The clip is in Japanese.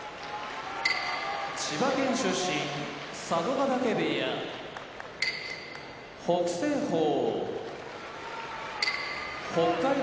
千葉県出身佐渡ヶ嶽部屋北青鵬北海道出身